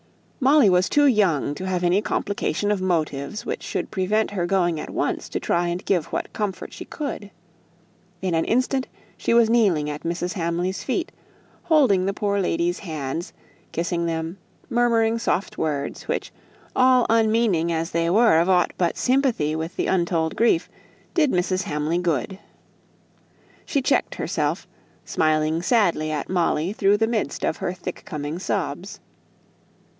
Molly was too young to have any complication of motives which should prevent her going at once to try and give what comfort she could. In an instant she was kneeling at Mrs. Hamley's feet, holding the poor lady's hands, kissing them, murmuring soft words; which, all unmeaning as they were of aught but sympathy with the untold grief, did Mrs. Hamley good. She checked herself, smiling sadly at Molly through the midst of her thick coming sobs.